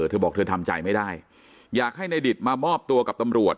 เธอบอกเธอทำใจไม่ได้อยากให้ในดิตมามอบตัวกับตำรวจ